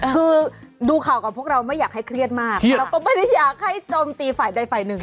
คือดูข่าวกับพวกเราไม่อยากให้เครียดมากเราก็ไม่ได้อยากให้โจมตีฝ่ายใดฝ่ายหนึ่ง